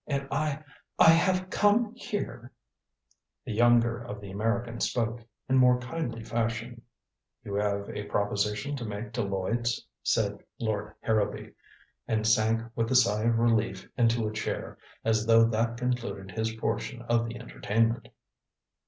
And I I have come here " The younger of the Americans spoke, in more kindly fashion: "You have a proposition to make to Lloyds?" "Exactly," said Lord Harrowby, and sank with a sigh of relief into a chair, as though that concluded his portion of the entertainment.